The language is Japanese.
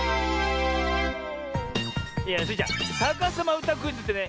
スイちゃん「さかさまうたクイズ」ってね